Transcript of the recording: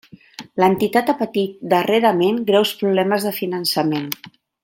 L'entitat ha patit darrerament greus problemes de finançament.